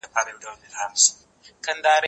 زه کتاب ليکلی دی!؟